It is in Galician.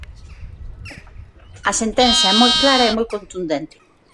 A sentenza é moi clara e moi contundente.